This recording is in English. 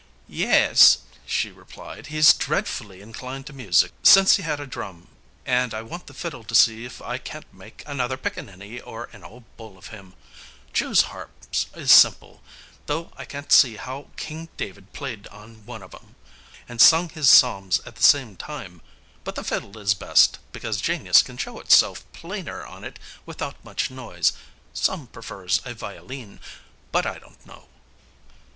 "Yes," she replied; "he's dreadfully inclined to music since he had a drum, and I want the fiddle to see if I can't make another Pickaninny or an Old Bull of him. Jews harps is simple, though I can't see how King David played on one of 'em, and sung his psalms at the same time; but the fiddle is best, because genius can show itself plainer on it without much noise. Some prefers a violeen; but I don't know."